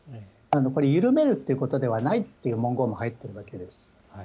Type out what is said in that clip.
これ緩めるということではないという文言も入っているわけです。